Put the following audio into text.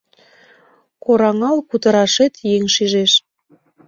Кораҥал кутырашет еҥ шижеш